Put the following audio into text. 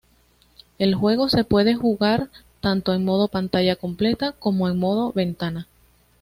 El juego se puede jugar tanto en modo pantalla completa como en modo ventana.